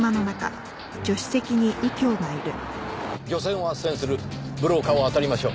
漁船を斡旋するブローカーを当たりましょう。